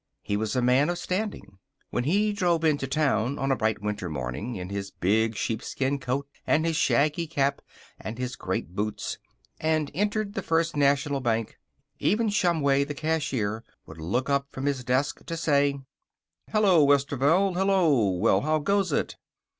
He was a man of standing. When he drove into town on a bright winter morning, in his big sheepskin coat and his shaggy cap and his great boots, and entered the First National Bank, even Shumway, the cashier, would look up from his desk to say: "Hello, Westerveld! Hello! Well, how goes it?"